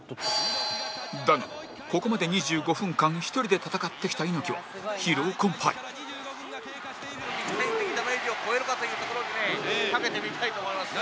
だがここまで２５分間１人で戦ってきた猪木は肉体的ダメージを超えるかというところでね懸けてみたいと思いますね。